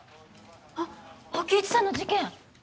あっ火鬼壱さんの事件。